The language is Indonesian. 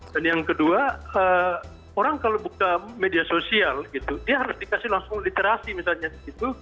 dan yang kedua orang kalau buka media sosial gitu dia harus dikasih langsung literasi misalnya gitu